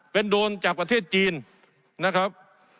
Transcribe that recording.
เป็นโดรนจากประเทศจีนนะครับ